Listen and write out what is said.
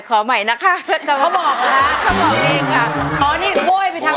ใช่ค่ะ